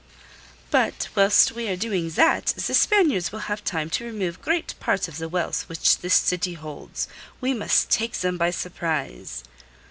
"But whilst we are doing that, the Spaniards will have time to remove great part of the wealth this city holds. We must take them by surprise."